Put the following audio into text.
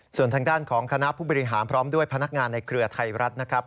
ส่วนทางด้านของคณะผู้บริหารพร้อมด้วยพนักงานในเครือไทยรัฐนะครับ